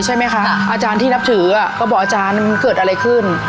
ใช่ไหมคะอาจารย์ที่นับถือก็บอกอาจารย์มันเกิดอะไรขึ้น